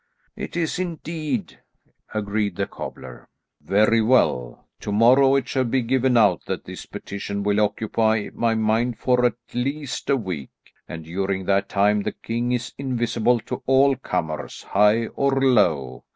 "It is indeed," agreed the cobbler. "Very well; to morrow it shall be given out that this petition will occupy my mind for at least a week, and during that time the king is invisible to all comers, high or low.